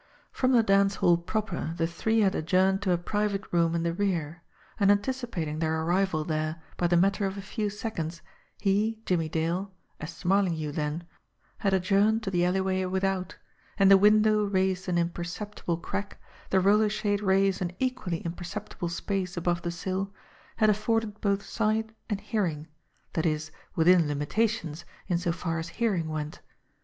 From the dance hall proper the three had adjourned to a private room in the rear; and anticipating their arrival there by the matter of a few seconds, he, Jimmie Dale, as Smarlinghue then, had adjourned to the alleyway without, and the window raised an imperceptible crack, the roller shade raised an equally imperceptible space above the sill, had afforded both sight and hearing that is, within limitations, in so far as hearing went.